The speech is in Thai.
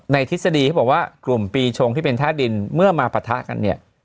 ทฤษฎีเขาบอกว่ากลุ่มปีชงที่เป็นท่าดินเมื่อมาปะทะกันเนี่ย